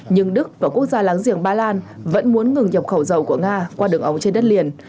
nhưng đức và quốc gia láng giềng ba lan vẫn muốn ngừng nhập khẩu dầu của nga qua đường ống trên đất liền